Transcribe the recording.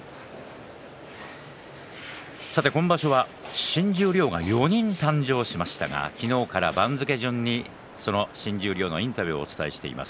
さて今場所は新十両が４人誕生しましたが昨日から番付順にその新十両のインタビューをお伝えしています。